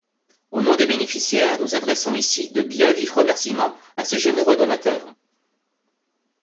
Au nom des bénéficiaires, nous adressons ici, de biens vifs remerciements à ces généreux donateurs.